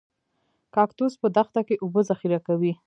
کاکتوس په دښته کې اوبه ذخیره کوي